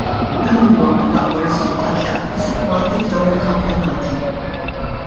Dan huwa l-aqwa riżultat li qatt kiseb Malti f'dawn il-kampjonati.